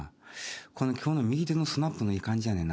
この今日の右手のスナップいい感じやねんな